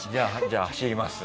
「じゃあ走ります」？